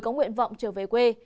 có nguyện vọng trở về quê